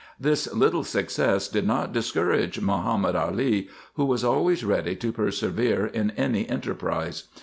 This little success did not discourage Mahomed Ali, who was always ready to persevere in any enterprise.